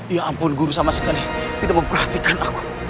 ya ampun guru sama sekali tidak memperhatikan aku